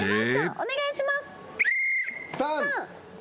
お願いします。